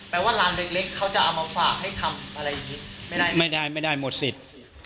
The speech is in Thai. ว่าร้านเล็กเขาจะเอามาฝากให้ทำอะไรอย่างนี้ไม่ได้ไม่ได้หมดสิทธิ์